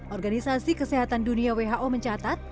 organisasi kesehatan dunia who mencatat